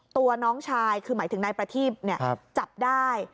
ตัวน้องชายคือหมายถึงนายประทีบเนี้ยครับจับได้